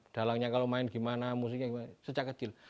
dalangnya kalau main gimana musiknya gimana sejak kecil